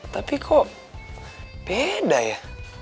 tapi kok beda ya